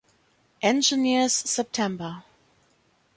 Engineers, Sept.